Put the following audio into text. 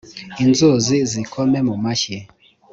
inzuzi zikome mu mashyi